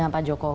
siapa yang durch